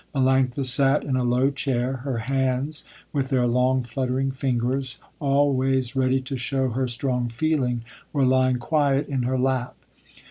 Melanctha sat in a low chair, her hands, with their long, fluttering fingers, always ready to show her strong feeling, were lying quiet in her lap.